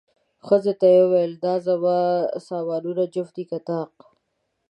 ښځې ته یې وویل، دا زما سامانونه جفت دي که طاق؟